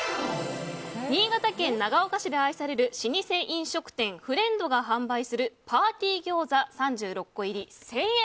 新潟県長岡市で愛される老舗飲食店フレンドが販売するパーティーぎょうざ、３６個入り１０００円。